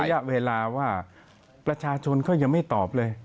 ระยะเวลาว่าประชาชนก็ยังไม่ตอบเลย